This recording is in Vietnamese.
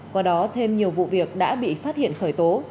qua đó thêm nhiều vụ việc đã bị phát hiện khởi tố